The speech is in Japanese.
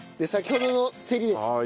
先ほどのセリ。